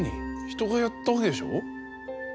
人がやったわけでしょ？